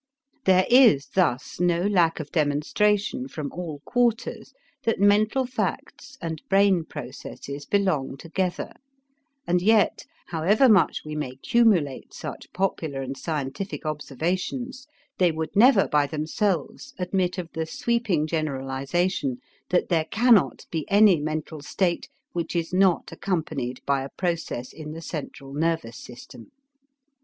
There is thus no lack of demonstration from all quarters that mental facts and brain processes belong together; and yet, however much we may cumulate such popular and scientific observations, they would never by themselves admit of the sweeping generalization that there cannot be any mental state which is not accompanied by a process in the central nervous system.